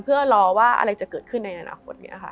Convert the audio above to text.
เพื่อรอว่าอะไรจะเกิดขึ้นในอนาคตนี้ค่ะ